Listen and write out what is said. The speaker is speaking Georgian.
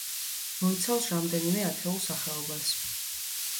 მოიცავს რამდენიმე ათეულ სახეობას.